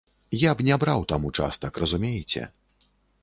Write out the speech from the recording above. Я б не браў там участак, разумееце?